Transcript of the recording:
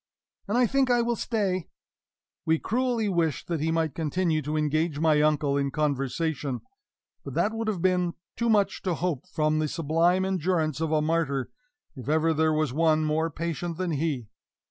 "and I think I will stay." We cruelly wished that he might continue to engage my uncle in conversation; but that would have been too much to hope from the sublime endurance of a martyr if ever there was one more patient than he.